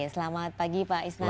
selamat pagi pak isnanta